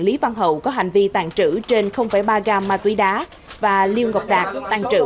lý văn hậu có hành vi tàn trữ trên ba gram ma túy đá và liêu ngọc đạt tàn trữ